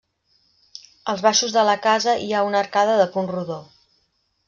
Als baixos de la casa hi ha una arcada de punt rodó.